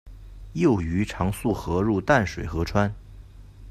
幼鱼常溯河入淡水河川。